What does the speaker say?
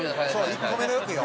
１個目の欲よ。